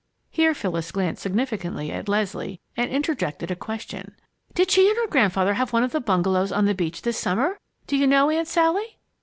Here Phyllis glanced significantly at Leslie and interjected a question. "Did she and her grandfather have one of the bungalows on the beach this summer, do you know, Aunt Sally?"